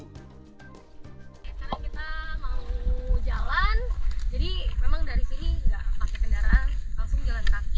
sekarang kita mau jalan jadi memang dari sini nggak pakai kendaraan langsung jalan kaki